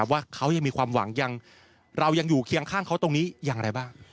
ว่าเขายังมีความหวังเรายังอยู่เคียงข้างเขาตรงนี้อย่างไรบ้าง